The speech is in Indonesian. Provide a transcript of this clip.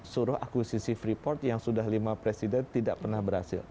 suruh akuisisi freeport yang sudah lima presiden tidak pernah berhasil